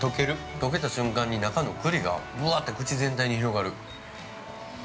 溶けた瞬間に、中のクリがぶわって口全体に広がる。